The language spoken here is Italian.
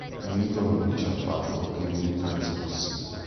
Il mito non dice affatto che Mitra risorse.